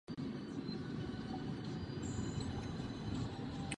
Autorem ilustrací knihy je Juraj Horváth.